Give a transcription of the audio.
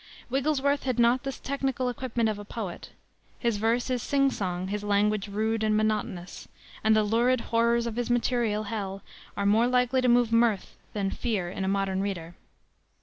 Wigglesworth had not the technical equipment of a poet. His verse is sing song, his language rude and monotonous, and the lurid horrors of his material hell are more likely to move mirth than fear in a modern reader.